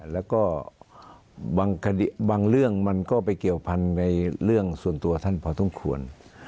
แล้วก็บางเรื่องมันก็ไปเกี่ยวพันธุ์ในเรื่องส่วนตัวท่านพอต้องควร